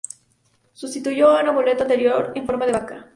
Sustituyó a un amuleto anterior en forma de vaca.